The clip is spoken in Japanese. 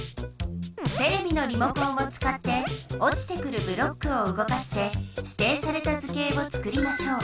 テレビのリモコンをつかっておちてくるブロックをうごかしてしていされた図形をつくりましょう。